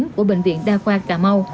của bệnh viện đa khoa cà mau